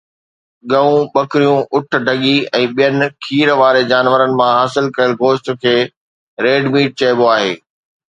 ڳئون، ٻڪريون، اُٺ، ڍڳي ۽ ٻين کير واري جانورن مان حاصل ڪيل گوشت کي ريڊ ميٽ چئبو آهي.